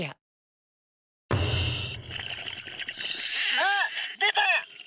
ああっ出た！